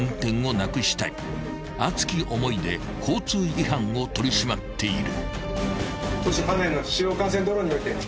［熱き思いで交通違反を取り締まっている］